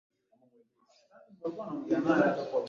Wanyama hutafuta kivuli kwa sababu ya homa kali